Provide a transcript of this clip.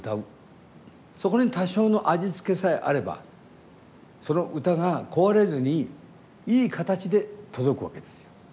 そこに多少の味付けさえあればその歌が壊れずにいい形で届くわけですよ。